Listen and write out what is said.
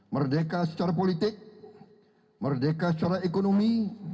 merdeka secara politik merdeka secara ekonomi